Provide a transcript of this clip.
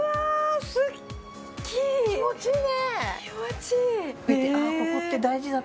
気持ちいい！